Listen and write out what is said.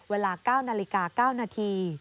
เวลา๙นาฬิกา๙นาที